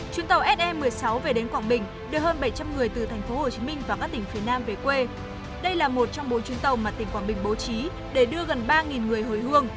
chuyến tàu se một mươi sáu về đến quảng bình đưa hơn bảy trăm linh người từ thành phố hồ chí minh và các tỉnh phía nam về quê đây là một trong bốn chuyến tàu mà tỉnh quảng bình bố trí để đưa gần ba người hồi hương